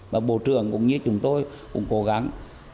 và bộ trưởng cũng như chúng tôi cũng cố gắng